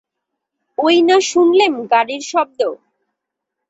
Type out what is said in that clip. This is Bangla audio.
ঐ না শুনলেম গাড়ির শব্দ?